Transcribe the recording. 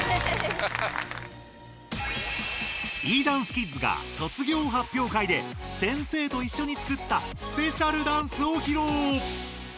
Ｅダンスキッズが卒業発表会で先生といっしょにつくったスペシャルダンスを披露！